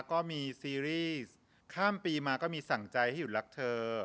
ก็มีซีรีส์ข้ามปีมาก็มีสั่งใจให้หยุดรักเธอ